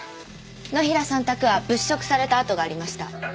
野平さん宅は物色された跡がありました。